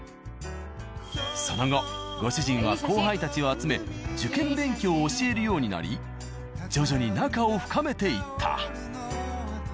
その後ご主人は後輩たちを集め受験勉強を教えるようになり徐々に仲を深めていった。